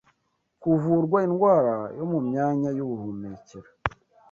kuvurwa indwara yo mu myanya y’ubuhumekero